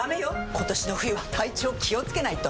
今年の冬は体調気をつけないと！